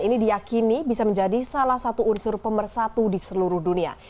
ini diakini bisa menjadi salah satu unsur pemersatu di seluruh dunia